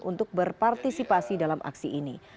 untuk berpartisipasi dalam aksi ini